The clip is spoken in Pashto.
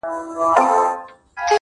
ټول عمر تكه توره شپه وي رڼا كډه كړې.